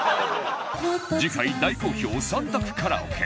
次回大好評３択カラオケ